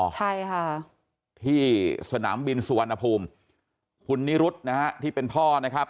ใช่ค่ะที่สนามบินสุวรรณภูมิคุณนิรุธนะฮะที่เป็นพ่อนะครับ